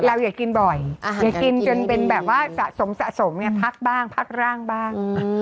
อย่ากินบ่อยอย่ากินจนเป็นแบบว่าสะสมสะสมพักบ้างพักร่างบ้าง